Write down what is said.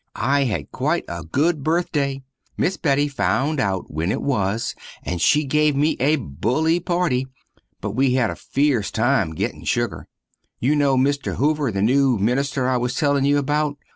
I had quite a good birthday. Miss Betty found out when it was, and she gave me a bully party, but we had a feerce time gettin sugar. You no mister Hoover the new minister I was telling you about?